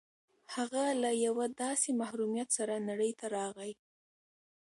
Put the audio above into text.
هغه له يوه داسې محروميت سره نړۍ ته راغی.